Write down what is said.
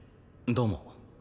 どうも。